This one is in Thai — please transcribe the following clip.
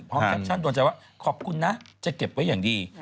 แคปชั่นโดนใจว่าขอบคุณนะจะเก็บไว้อย่างดี